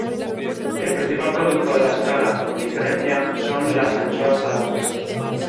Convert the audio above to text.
El principal producto de La Escala, con diferencia, son las anchoas saladas.